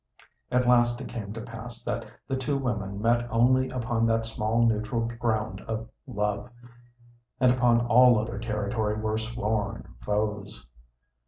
At last it came to pass that the two women met only upon that small neutral ground of love, and upon all other territory were sworn foes.